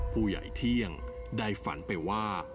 ผู้ใหญ่เที่ยงได้ฝันไปว่า